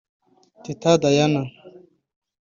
Teta Diana